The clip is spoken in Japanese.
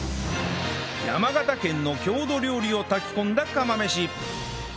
山形県の郷土料理を炊き込んだ釜飯